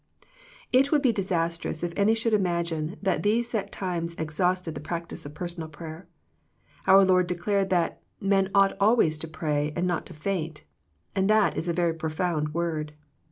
It would be disastrous if any should imagine that these set times exhausted the practice of personal prayer. Our Lord declared that " Men ought always to pray, and not to faint," and that is a very profound word.